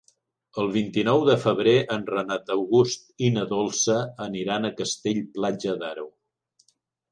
El vint-i-nou de febrer en Renat August i na Dolça aniran a Castell-Platja d'Aro.